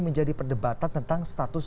menjadi perdebatan tentang status